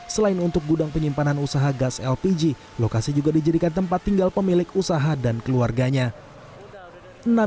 selain untuk gudang penyimpanan usaha gas lpg lokasi juga dijadikan tempat tinggal pemilik usaha dan keluarganya